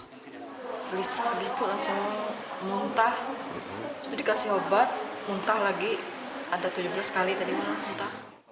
gelisah habis itu langsung muntah itu dikasih obat muntah lagi ada tujuh belas kali tadi malam muntah